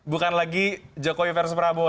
bukan lagi jokowi versus prabowo